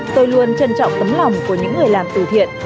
tôi luôn trân trọng tấm lòng của những người làm từ thiện